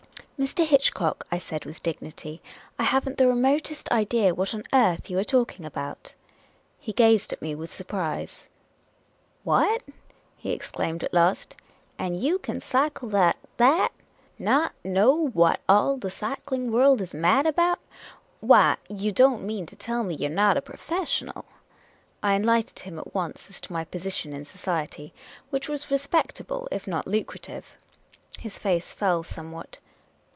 " Mr. Hitchcock," I said, with dignity, " I have n't the remotest idea what on earth you are talking about." He gazed at me with surprise. " What ?" he exclaimed, at last. " And you kin cycle like that ! Not know what The In([iiisitivc American ']^ all the cycling world is mad about ? Why, you don't mean to tell me you 're not a professional ?" I enlightened him at once as to my position in society, which was respectable if not lucrative. His face fell some what.